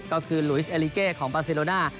ก็คือลุยสเอลิเกของปาซิโลน่า